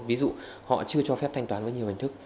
ví dụ họ chưa cho phép thanh toán với nhiều hình thức